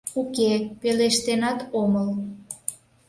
— Уке, пелештенат омыл.